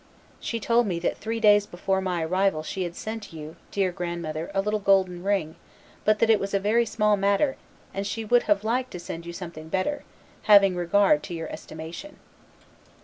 She told me that three days before my arrival she had sent you, dear grand mother, a little golden ring, but that it was a very small matter, and she would have liked to send you something better, having regard to your estimation."